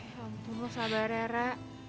ya ampun lo sabar ra